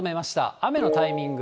雨のタイミング。